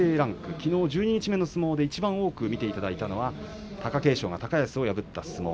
きのう十二日目の相撲でいちばん多く見ていただいたのは貴景勝が高安を破った相撲。